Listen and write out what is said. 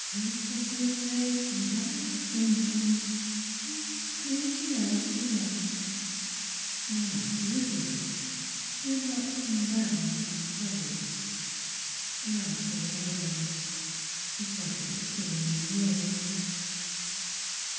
'Er put 'er face Right intil 'em and scraïghted out again, Then after a bit 'er dropped 'em down that place, An' I come away, because o' the teemin' rain.